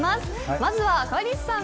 まずは川西さん